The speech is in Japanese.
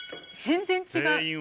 全然違う。